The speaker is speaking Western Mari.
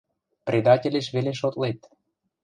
Предателеш веле шотлет...